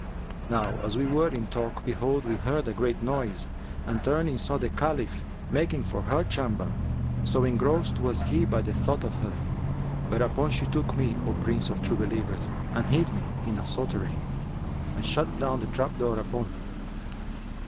Now as we were in talk, behold, we heard a great noise and turning, saw the Caliph making for her chamber, so engrossed was he by the thought of her; whereupon she took me, O Prince of True Believers and hid me in a souterrain[FN#362] and shut down the trap door upon me.